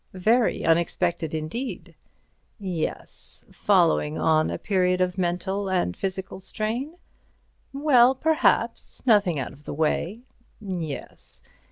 "Very unexpected indeed." "Yes. Following on a period of mental and physical strain." "Well—perhaps. Nothing out of the way." "Yes.